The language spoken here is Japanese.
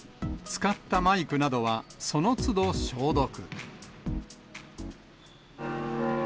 使ったマイクなどは、そのつど消毒。